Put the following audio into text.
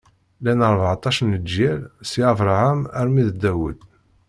Llan ṛbeɛṭac n leǧyal si Abṛaham armi d Dawed.